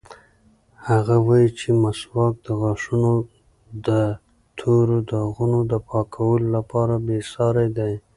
هغه وایي چې مسواک د غاښونو د تورو داغونو د پاکولو لپاره بېساری دی.